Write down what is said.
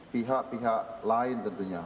pihak pihak lain tentunya